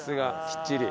きっちり。